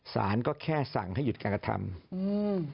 ศาลก็แค่สั่งให้หยุดการกระทับอื้ออ